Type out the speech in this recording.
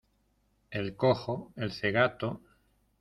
el cojo, el cegato